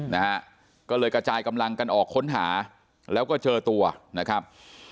นะฮะก็เลยกระจายกำลังกันออกค้นหาแล้วก็เจอตัวนะครับ